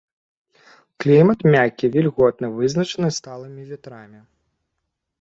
Клімат мяккі вільготны, вызначаны сталымі вятрамі.